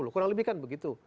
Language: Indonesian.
kurang lebih kan begitu